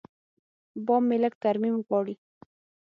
بام مې لږ ترمیم غواړي.